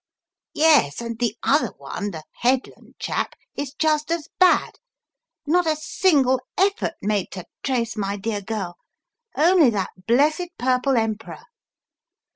"Yes, and the other one, the Headland chap, is just as bad; not a single effort made to trace my dear girl, only that blessed Purple Emperor.